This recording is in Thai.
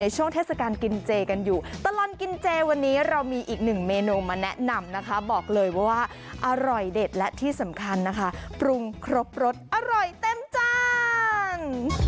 ช่วงเทศกาลกินเจกันอยู่ตลอดกินเจวันนี้เรามีอีกหนึ่งเมนูมาแนะนำนะคะบอกเลยว่าอร่อยเด็ดและที่สำคัญนะคะปรุงครบรสอร่อยเต็มจัง